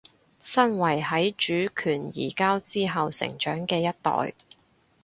身為喺主權移交之後成長嘅一代